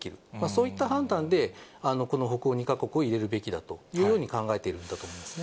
そういった判断で、この北欧２か国を入れるべきだというふうに考えているんだと思い